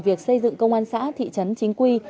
việc xây dựng công an xã thị trấn chính quy